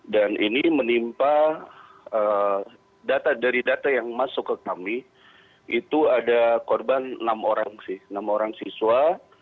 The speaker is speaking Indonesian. dan ini menimpa data dari data yang masuk ke kami itu ada korban enam orang sih enam orang siswa